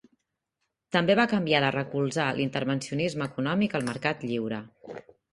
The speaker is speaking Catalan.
També va canviar de recolzar l'intervencionisme econòmic al mercat lliure.